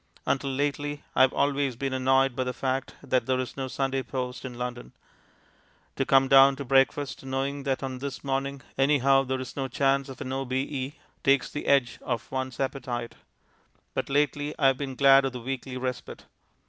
Until lately, I have always been annoyed by the fact that there is no Sunday post in London. To come down to breakfast knowing that on this morning anyhow there is no chance of an O.B.E. takes the edge off one's appetite. But lately, I have been glad of the weekly respite.